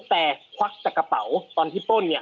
แต่ควักจากกระเป๋าตอนที่ป้นเนี่ย